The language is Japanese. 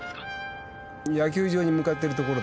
んー野球場に向かってるところだよ。